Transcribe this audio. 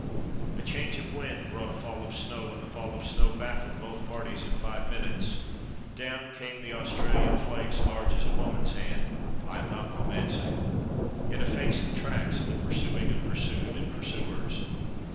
A change of wind brought a fall of snow, and the fall of snow baffled both parties in five minutes. Down came the Australian flakes large as a woman's hand (I am not romancing), and effaced the tracks of the pursuing and pursued and pursuers.